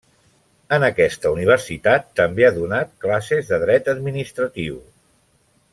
En aquesta Universitat també ha donat classes de Dret Administratiu.